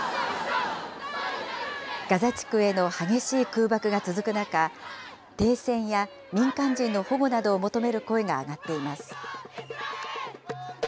ガザ地区へ激しい空爆が続く中、停戦や民間人の保護などを求める声が上がっています。